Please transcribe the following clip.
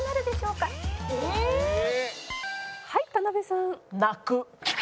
はい田辺さん。